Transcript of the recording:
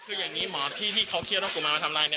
คืออย่างนี้หมอที่ที่เขาเคี่ยวน้องกุมารมาทำลายเนี่ย